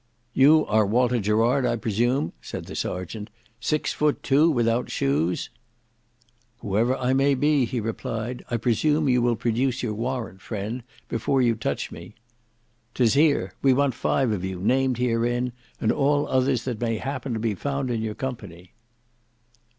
"You are Walter Gerard, I presume," said the serjeant, "six foot two without shoes." "Whoever I may he," he replied, "I presume you will produce your warrant, friend, before you touch me." "'Tis here. We want five of you, named herein, and all others that may happen to be found in your company."